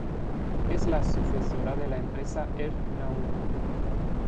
Es la sucesora de la empresa Air Nauru.